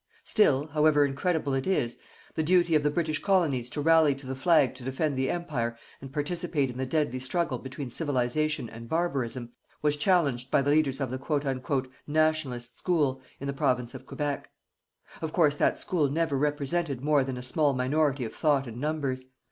Still, however incredible it is, the duty of the British colonies to rally to the flag to defend the Empire and participate in the deadly struggle between Civilization and barbarism, was challenged by the leaders of the "Nationalist school" in the Province of Quebec. Of course, that school never represented more than a small minority of thought and numbers.